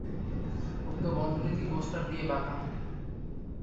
উক্ত বন্ধনীটি কোস্টার দিকে বাঁকানো।